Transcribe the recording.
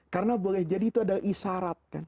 karena boleh jadi itu adalah isyarat